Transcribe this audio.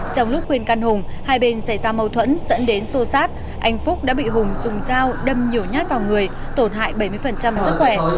trong lúc khuyên can hùng hai bên xảy ra mâu thuẫn dẫn đến xô xát anh phúc đã bị hùng dùng dao đâm nhiều nhát vào người tổn hại bảy mươi sức khỏe